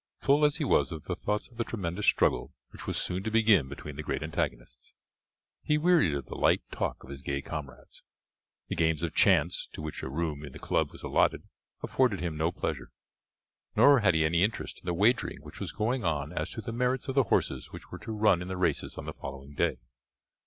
Full as he was of the thoughts of the tremendous struggle which was soon to begin between the great antagonists, he wearied of the light talk of his gay comrades. The games of chance, to which a room in the club was allotted, afforded him no pleasure; nor had he any interest in the wagering which was going on as to the merits of the horses which were to run in the races on the following day.